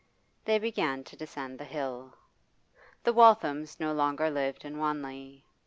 They began to descend the hill. The Walthams no longer lived in Wanley.